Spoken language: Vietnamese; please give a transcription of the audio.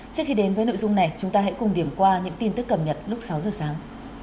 trước khi đến với nội dung này chúng ta hãy cùng điểm qua những tin tức cầm nhật lúc sáu giờ sáng